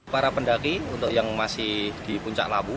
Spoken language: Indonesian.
para pendaki untuk yang masih di puncak lawu